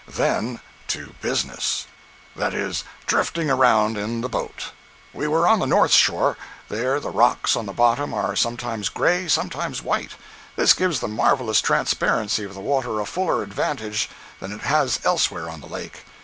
Then to "business." 174.jpg (84K) That is, drifting around in the boat. We were on the north shore. There, the rocks on the bottom are sometimes gray, sometimes white. This gives the marvelous transparency of the water a fuller advantage than it has elsewhere on the lake.